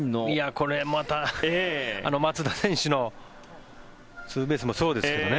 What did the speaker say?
これまた松田選手のツーベースもそうですけどね。